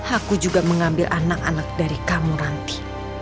aku juga mengambil anak anak dari kamu nanti